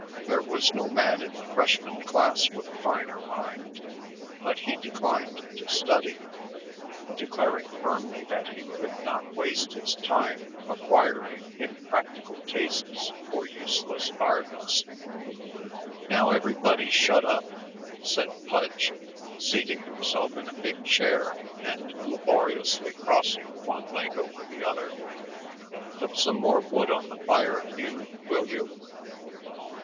There was no man in the freshman class with a finer mind, but he declined to study, declaring firmly that he could not waste his time acquiring impractical tastes for useless arts. "Now everybody shut up," said Pudge, seating himself in a big chair and laboriously crossing one leg over the other. "Put some more wood on the fire, Hugh, will you?"